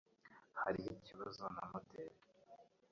Hariho ikibazo na moteri.